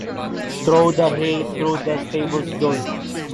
Throw the hay through the stable’s door.